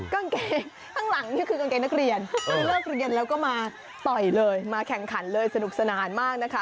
กางเกงข้างหลังนี่คือกางเกงนักเรียนเลิกเรียนแล้วก็มาต่อยเลยมาแข่งขันเลยสนุกสนานมากนะคะ